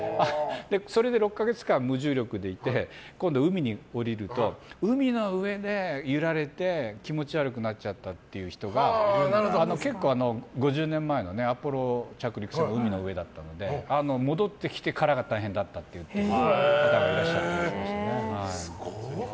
それで６か月間無重力でいて今度海に降りると、海の上で揺られて気持ち悪くなっちゃったって人が５０年前のアポロ着陸は海の上だったので戻ってきてからが大変だったという方がいらっしゃって。